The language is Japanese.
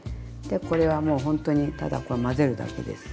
でこれはもうほんとにただこう混ぜるだけです。